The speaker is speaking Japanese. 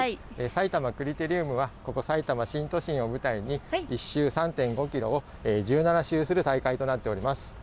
さいたまクリテリウムはさいたま新都心を舞台に１周３．５キロを１７周する大会となっております。